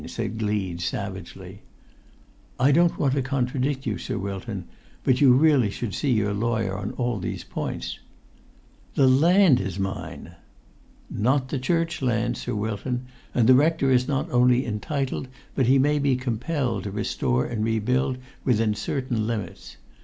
said Gleed, savagely. "I don't want to contradict you, Sir Wilton; but you should really see your lawyer on all these points." "The land is mine!" "Not the church land, Sir Wilton; and the rector is not only entitled, but he may be compelled, to restore and rebuild within certain limits.